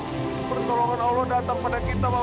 datangkan pertolonganmu ya allah